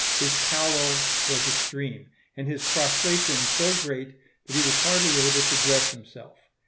His pallor was extreme, and his prostration so great that he was hardly able to dress himself.